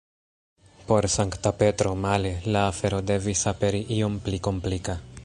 Por Sankta Petro, male, la afero devis aperi iom pli komplika.